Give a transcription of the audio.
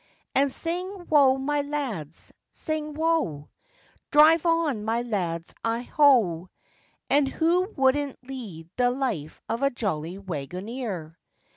And sing wo, my lads, sing wo! Drive on my lads, I ho! {208b} And who wouldn't lead the life of a jolly waggoner?